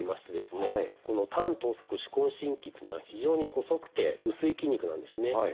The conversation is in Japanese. この短橈側手根伸筋っていうのは非常に細くて薄い筋肉なんですね。